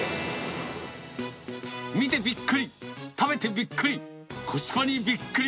見てびっくり、食べてびっくり、コスパにびっくり。